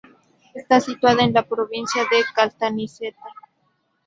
Está situada en la provincia de Caltanissetta.